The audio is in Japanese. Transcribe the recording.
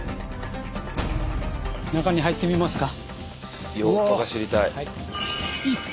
中に入ってみますか。